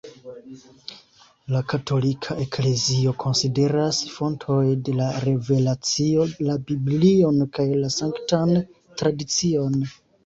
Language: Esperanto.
La katolika Eklezio konsideras fontoj de la revelacio la Biblion kaj la Sanktan Tradicion.